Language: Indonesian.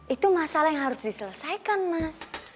itu masalah yang harus diselesaikan mas